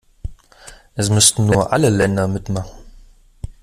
Es müssten nur alle Länder mitmachen.